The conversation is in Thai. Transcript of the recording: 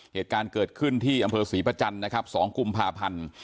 เหตุการณ์เกิดขึ้นที่อำเภอศรีประจันทร์นะครับ๒กุมภาพันธ์